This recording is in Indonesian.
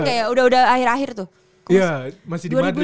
kayaknya udah akhir akhir tuh